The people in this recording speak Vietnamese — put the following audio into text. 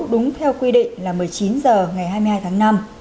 đúng theo quy định là một mươi chín h ngày hai mươi hai tháng năm